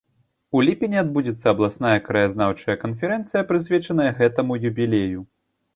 У ліпені адбудзецца абласная краязнаўчая канферэнцыя, прысвечаная гэтаму юбілею.